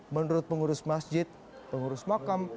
menurut pengurus masjid pengurus makam